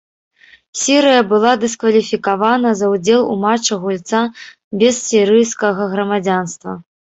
Сірыя была дыскваліфікавана за ўдзел у матчах гульца без сірыйскага грамадзянства.